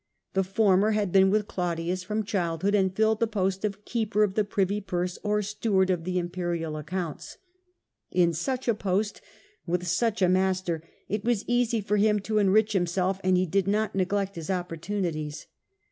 Tlie former had been with Claudius from childhood, and filled the place of keeper of the privy purse, or steward of the imperial accounts. In such a post, with such a master it, was easy for him to enrich himself, and he did not neglect his opportunities.